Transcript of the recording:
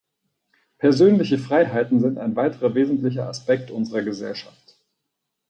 Persönliche Freiheiten sind ein weiterer wesentlicher Aspekt unserer Gesellschaft.